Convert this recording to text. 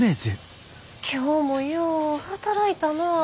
今日もよう働いたな。